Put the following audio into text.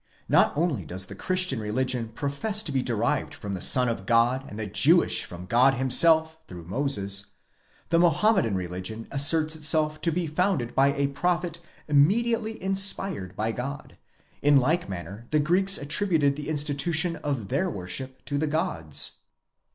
Not only does the Christian religion profess to be derived from the Son of God, and the Jewish from God himself, through Moses; the Mohammedan religion asserts itself to be founded by a prophet immediately inspired by God; in like manner the Greeks attributed the institution of their worship to the gods.